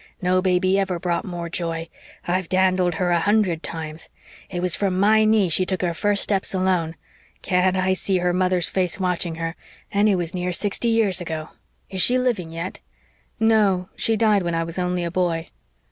No baby ever brought more joy! I've dandled her a hundred times. It was from my knee she took her first steps alone. Can't I see her mother's face watching her and it was near sixty years ago. Is she living yet?" "No, she died when I was only a boy."